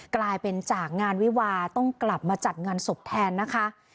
กลายเป็นจากงานวิวาต้องกลับมาจัดงานศพแทนนะคะ